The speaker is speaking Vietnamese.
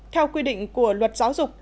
theo quy định của luật giáo dục